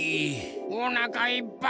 おなかいっぱい。